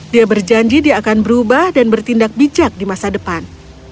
dia berjanji dia akan berubah dan bertindak bijak di masa depan